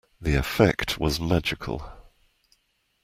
The effect was magical.